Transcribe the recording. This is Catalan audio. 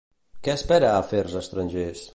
Què espera Afers estrangers?